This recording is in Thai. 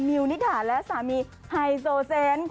มิวนิถาและสามีไฮโซเซนต์